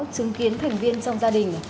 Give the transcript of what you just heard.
chứng kiến thành viên trong gia đình